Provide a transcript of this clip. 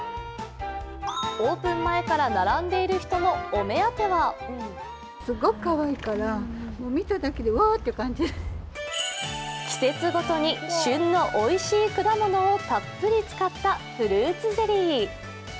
オープン前から並んでいる人のお目当ては季節ごとに旬のおいしい果物をたっぷり使ったフルーツゼリー。